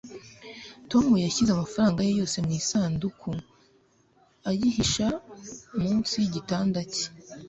tom yashyize amafaranga ye yose mu isanduku ayihisha munsi yigitanda cye